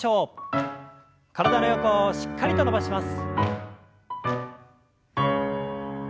体の横をしっかりと伸ばします。